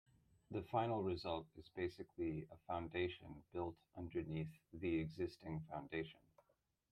The final result is basically a foundation built underneath the existing foundation.